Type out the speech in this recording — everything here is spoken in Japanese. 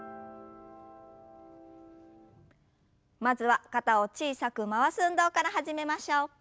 まずは肩を小さく回す運動から始めましょう。